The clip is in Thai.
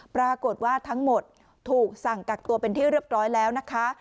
ปรากฏว่าทั้งหมดถูกสั่งกักตัวเป็นที่เรียบร้อยแล้วนะคะ